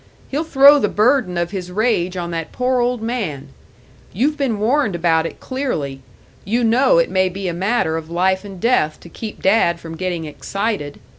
He'll throw the burden of his rage on that poor old man! You've been warned about it clearly; you know it may be a matter of life and death to keep Dad from getting excited.